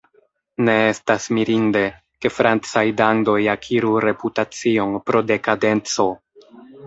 Ne estas mirinde, ke francaj dandoj akiru reputacion pro dekadenco.